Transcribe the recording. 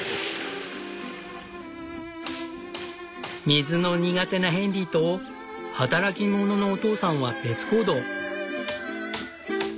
水の苦手なヘンリーと働き者のお父さんは別行動。